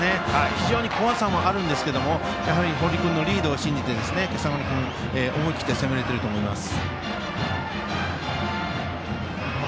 非常に怖さもありますが堀君のリードを信じて今朝丸君は思い切って攻めれていると思います。